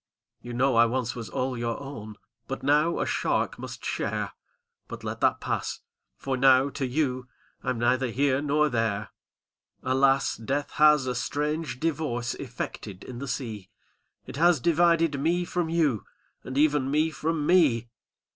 "You know I once was all your own. But now a shark must share! But let that pass â ^for now to you I'm neither here nor there. ''Alas! death has a strange divorce Effected in the sea. It has divided me from you, And even me from me!